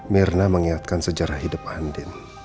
mirna mengingatkan sejarah hidup andin